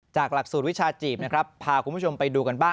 จากหลักสูตรวิชาจีบพาคุณผู้ชมไปดูกันบ้าง